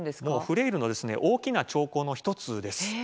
フレイルの大きな兆候の一つです。